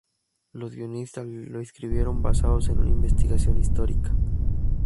Los guionistas lo escribieron basados en una investigación histórica.